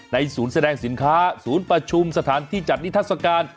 ศูนย์แสดงสินค้าศูนย์ประชุมสถานที่จัดนิทัศกาล